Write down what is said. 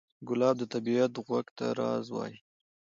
ګلاب د طبیعت غوږ ته راز وایي.